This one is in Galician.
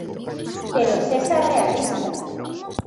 Pero sexa realista.